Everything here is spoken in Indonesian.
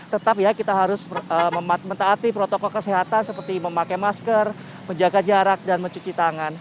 tetap ya kita harus mentaati protokol kesehatan seperti memakai masker menjaga jarak dan mencuci tangan